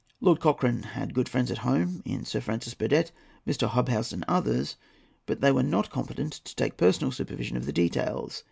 Lord Cochrane had good friends at home in Sir Francis Burdett, Mr. Hobhouse, and others; but they were not competent to take personal supervision of the details.